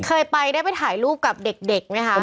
เคยไปได้ไปถ่ายรูปกับเด็กไหมคะ